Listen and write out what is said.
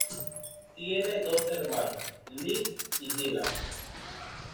Tiene dos hermanos: Lee y Dylan.